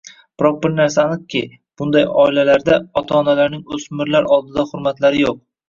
biroq bir narsa aniqki, bunday oilalarda ota-onalarning o‘smirlar oldida hurmatlari yo‘q.